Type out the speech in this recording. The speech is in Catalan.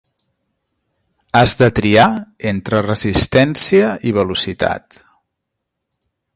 Has de triar entre resistència i velocitat.